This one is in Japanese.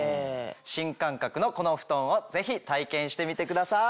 新感覚のこのお布団をぜひ体験してみてください！